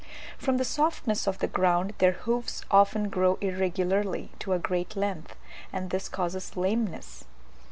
From the softness of the ground their hoofs often grow irregularly to a great length, and this causes lameness.